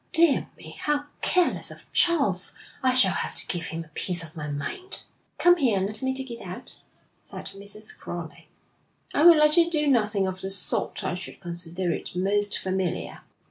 'Dear me, how careless of Charles! I shall have to give him a piece of my mind.' 'Come here, and let me take it out,' said Mrs. Crowley. 'I will let you do nothing of the sort I should consider it most familiar.'